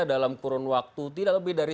dalam kurun waktu tidak lebih dari